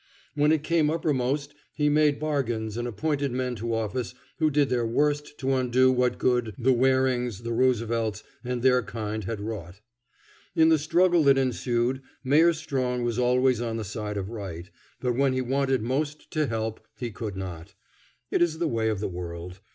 When it came uppermost he made bargains and appointed men to office who did their worst to undo what good the Warings, the Roosevelts, and their kind had wrought. In the struggle that ensued Mayor Strong was always on the side of right, but when he wanted most to help he could not. It is the way of the world.